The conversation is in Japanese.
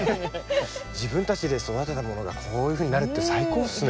自分たちで育てたものがこういうふうになるって最高っすね